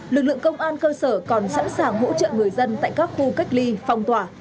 lực lượng công an cơ sở còn sẵn sàng hỗ trợ người dân tại các khu cách ly phong tỏa